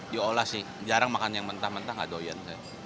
diolah sih jarang makan yang mentah mentah nggak doyan